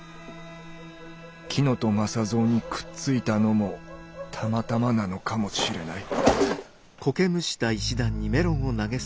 乙雅三にくっついたのもたまたまなのかもしれない。